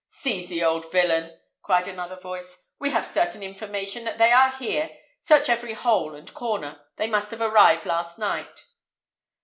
"Seize the old villain!" cried another voice; "we have certain information that they are here. Search every hole and corner; they must have arrived last night."